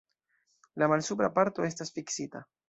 La malsupra parto estas fiksita.